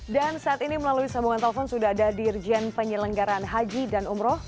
saat ini melalui sambungan telepon sudah ada dirjen penyelenggaran haji dan umroh